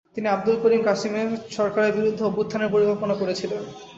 তিনি আবদুল করিম কাসিমের সরকারের বিরুদ্ধে অভ্যুত্থানের পরিকল্পনা করেছিলেন।